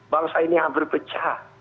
bangsa ini akan berubah